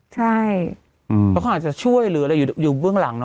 ใช่เพราะเขาอาจจะช่วยหรืออะไรอยู่เบื้องหลัง